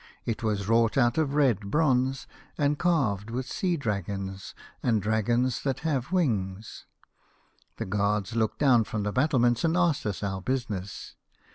It was wrought out of red bronze, and carved with sea dragons and dragons that have wings. The guards looked down from the battlements and asked us our business.